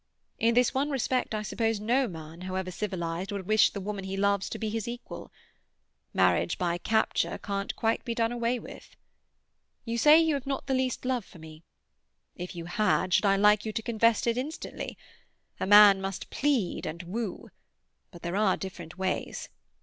In this one respect I suppose no man, however civilized, would wish the woman he loves to be his equal. Marriage by capture can't quite be done away with. You say you have not the least love for me; if you had, should I like you to confess it instantly? A man must plead and woo; but there are different ways.